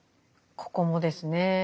ここもですね